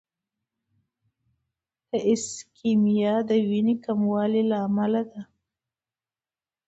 د ایسکیمیا د وینې کموالي له امله ده.